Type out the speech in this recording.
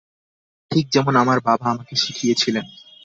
ঠিক যেমন আমার বাবা আমাকে শিখিয়েছিলেন।